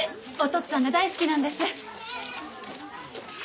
っつぁんが大好きなんです